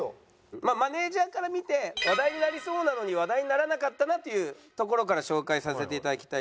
まあマネージャーから見て話題になりそうなのに話題にならなかったなというところから紹介させて頂きたいと思います。